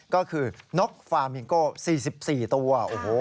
ก็คือนกฟาร์มิงโก้๔๔ตัว